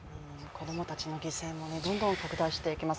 子供たちの犠牲もどんどん拡大していきます。